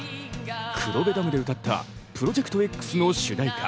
黒部ダムで歌った「プロジェクトＸ」の主題歌